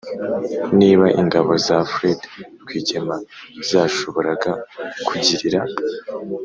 niba ingabo za fred rwigema zashoboraga kugirira